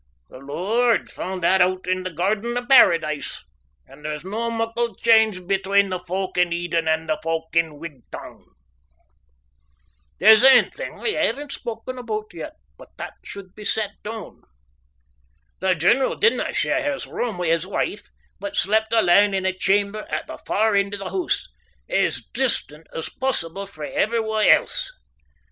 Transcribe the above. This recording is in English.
The Lord foond that oot in the gairden o' Paradise, and there's no muckle change between the folk in Eden and the folk in Wigtown. There's ane thing that I havena spoke aboot yet, but that should be set doon. The general didna share his room wi' his wife, but slept a' alane in a chamber at the far end o' the hoose, as distant as possible frae every one else.